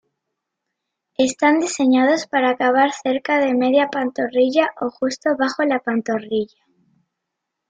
Están diseñados para acabar cerca de media pantorrilla o justo bajo la pantorrilla.